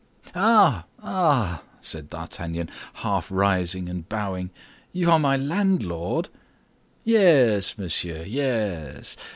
"Ah, ah!" said D'Artagnan, half rising and bowing; "you are my landlord?" "Yes, monsieur, yes.